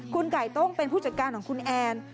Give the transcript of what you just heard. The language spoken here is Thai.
คุณไก่ต้องเป็นผู้จัดการของคุณแอน